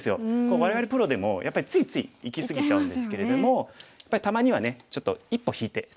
我々プロでもやっぱりついついいき過ぎちゃうんですけれどもやっぱりたまにはねちょっと一歩引いて攻めるのがいいですよね。